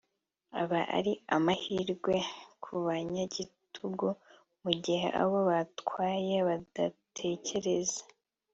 aba ari amahirwe ku banyagitugu mu gihe abo batwaye badatekereza